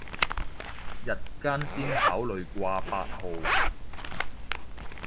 日間先考慮掛八號